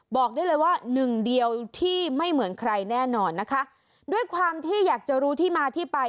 บอกได้เลยว่าหนึ่งเดียวที่ไม่เหมือนใครแน่นอนนะคะด้วยความที่อยากจะรู้ที่มาที่ไป